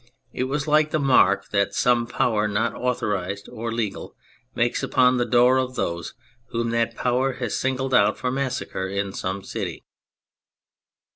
It was like the mark that some power not authorised or legal makes upon the door of those v/hom that power has singled out for massacre in some city.